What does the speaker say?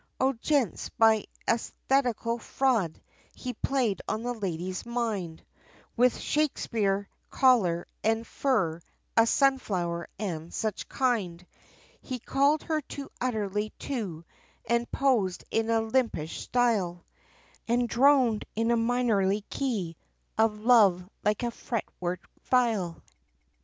O gents, by æsthetical fraud, he played on the lady's mind, With Shakespeare collar and fur, a sunflower, and such kind, He called her too utterly too, and posed in a limpish style, And droned in a minorly key, of love, like a fretwork file.